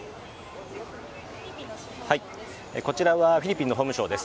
こちらはフィリピンの法務省です。